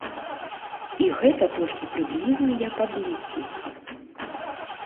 І гэта толькі прыблізныя падлікі.